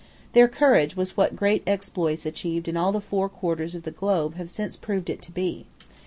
Their courage was what great exploits achieved in all the four quarters of the globe have since proved it to be.